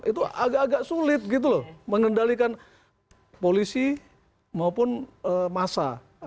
itu agak agak sulit gitu loh mengendalikan polisi maupun massa